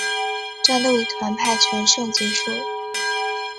战斗以团派全胜结束。